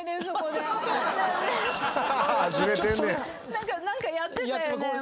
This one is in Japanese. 何かやってたよね？